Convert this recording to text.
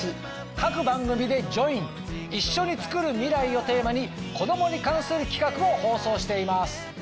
各番組で「ＪＯＩＮ！いっしょにつくる、ミライ」をテーマにこどもに関する企画を放送しています。